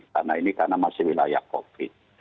karena ini karena masih wilayah covid